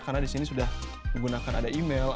karena di sini sudah menggunakan ada email